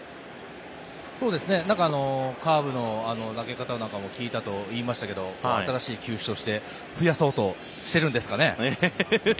カーブの投げ方なんかも聞いたといいましたけど新しい球種として増やそうとしてるんですかね。